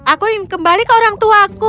aku ingin kembali ke orangtuaku